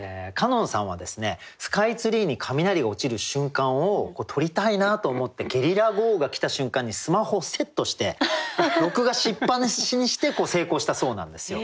ｃａｎｏｎさんはスカイツリーに雷が落ちる瞬間を撮りたいなと思ってゲリラ豪雨が来た瞬間にスマホをセットして録画しっぱなしにして成功したそうなんですよ。